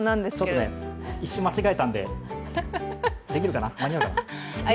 ちょっとね、一瞬間違えたんでできるかな、間に合うかな？